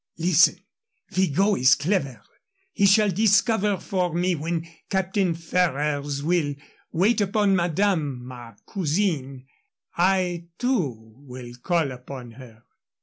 "Listen. Vigot is clever. He shall discover for me when Captain Ferrers will wait upon madame, ma cousine. I, too, will call upon her."